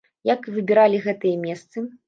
Як выбіралі гэтыя месцы?